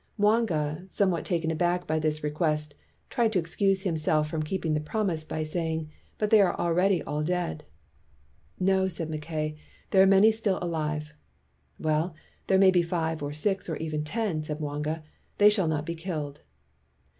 Mwanga, somewhat taken back by this re quest, tried to excuse himself from keeping the promise by saying, "But they are al ready all dead." 241 WHITE MAN OF WORK "No," said Mackay, "there are many still alive. '' "Well, there may be five or six or even ten," said Mwanga, "they shall not be killed."